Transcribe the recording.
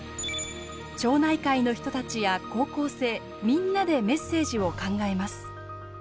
町内会の人たちや高校生みんなでメッセージを考えます。